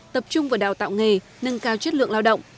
tập trung vào đào tạo nghề nâng cao chất lượng lao động